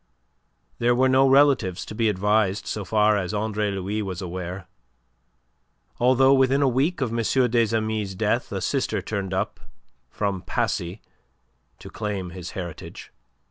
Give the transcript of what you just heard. There were no relatives to be advised so far as Andre Louis was aware, although within a week of M. des Amis' death a sister turned up from Passy to claim his heritage.